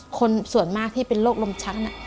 คนส่วนมากที่เป็นโรคลมชัก